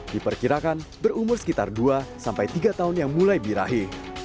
diperkirakan berumur sekitar dua sampai tiga tahun yang mulai birahi